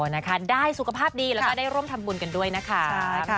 นะคะได้สุขภาพดีแล้วก็ได้ร่วมทำบุญกันด้วยนะคะ